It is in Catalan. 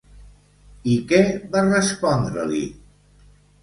I què va respondre-li?